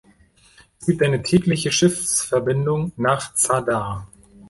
Es gibt eine tägliche Schiffsverbindung nach Zadar.